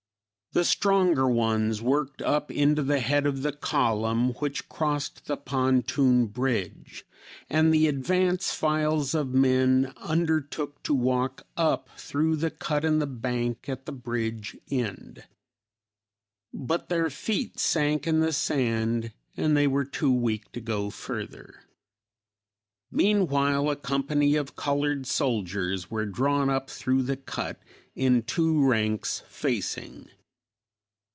The stronger ones worked up into the head of the column which crossed the pontoon bridge and the advance files of men undertook to walk up through the cut in the bank at the bridge end. But their feet sank in the sand and they were too weak to go further. Meanwhile a company of colored soldiers were drawn up through the cut in two ranks facing.